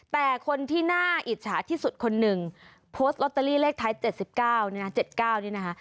แต่คนที่น่าอิจฉาที่สุดคนหนึ่งโพสต์ลอตเตอรี่เลขท้าย๗๙๗๙นี่นะคะ